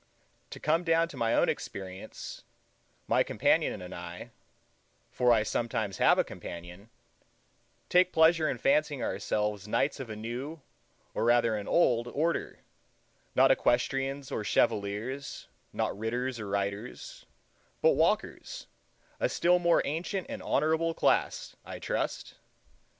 To come down to my own experience, my companion and I, for I sometimes have a companion, take pleasure in fancying ourselves knights of a new, or rather an old, order—not Equestrians or Chevaliers, not Ritters or Riders, but Walkers, a still more ancient and honorable class, I trust.